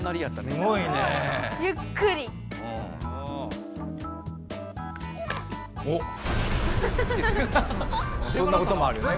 そんなこともあるよね。